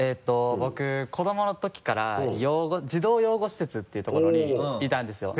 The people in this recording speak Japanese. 僕子どもの時から児童養護施設っていう所にいたんですよ。